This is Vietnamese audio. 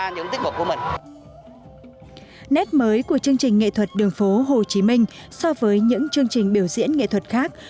nét mới của chương trình nghệ thuật đường phố hồ chí minh so với những chương trình biểu diễn nghệ thuật khác